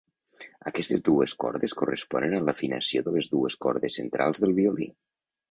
Aquestes dues cordes corresponen a l'afinació de les dues cordes centrals del violí.